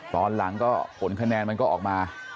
ตอนหลังก็ผลคะแนนมันก็ออกมา